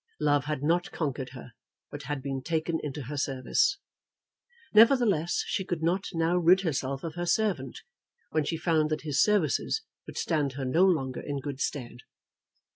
Love had not conquered her, but had been taken into her service. Nevertheless, she could not now rid herself of her servant, when she found that his services would stand her no longer in good stead.